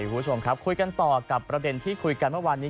คุณผู้ชมครับคุยกันต่อกับประเด็นที่คุยกันเมื่อวานนี้